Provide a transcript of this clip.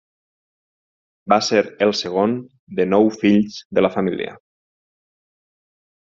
Va ser el segon de nou fills de la família.